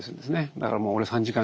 だからもう俺３時間